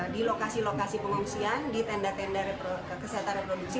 di lokasi lokasi pengungsian di tenda tenda kesehatan reproduksi